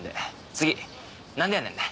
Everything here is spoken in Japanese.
次「何でやねん」ね